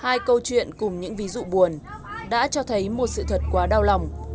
ai câu chuyện cùng những ví dụ buồn đã cho thấy một sự thật quá đau lòng